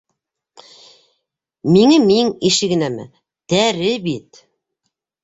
Миңе миң ише генәме - тәре бит!